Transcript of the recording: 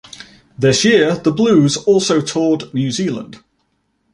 This year the Blues also toured New Zealand.